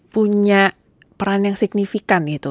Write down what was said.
punya peran yang signifikan itu